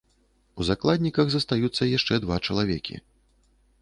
У закладніках застаюцца яшчэ два чалавекі.